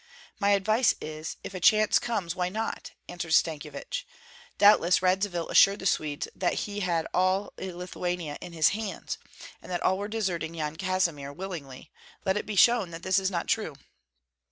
"My advice is: if a chance comes, why not?" answered Stankyevich. "Doubtless Radzivill assured the Swedes that he had all Lithuania in his hands, and that all were deserting Yan Kazimir willingly; let it be shown that this is not true."